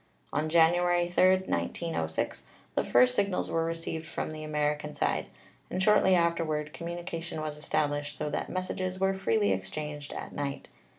"On January 3, 1906, the first signals were received from the American side, and shortly afterward commu nication was established, so that messages were freely exchanged at night.